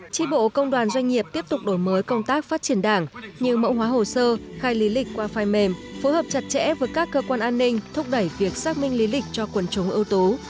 tri bộ công đoàn doanh nghiệp tiếp tục đổi mới công tác phát triển đảng như mẫu hóa hồ sơ khai lý lịch qua file mềm phối hợp chặt chẽ với các cơ quan an ninh thúc đẩy việc xác minh lý lịch cho quần chúng ưu tú